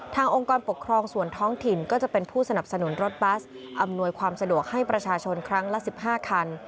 องค์กรปกครองส่วนท้องถิ่นก็จะเป็นผู้สนับสนุนรถบัสอำนวยความสะดวกให้ประชาชนครั้งละ๑๕คัน